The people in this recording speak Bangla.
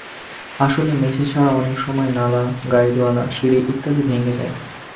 আসলে মেঝে ছাড়াও অনেক সময় নালা, গাইডওয়াল, সিঁড়ি ইত্যাদি ভেঙে যায়।